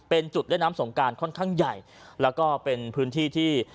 เป็นจุดเล่นน้ำสงการค่อนข้างใหญ่แล้วก็เป็นพื้นที่ที่